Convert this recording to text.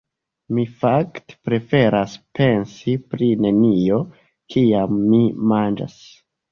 Mi fakte preferas pensi pri nenio, kiam mi manĝas.